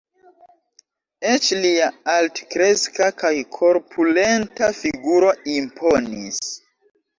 Eĉ lia altkreska kaj korpulenta figuro imponis.